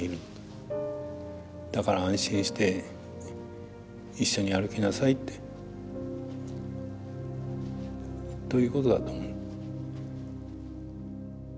だから安心して一緒に歩きなさいってということだと思う。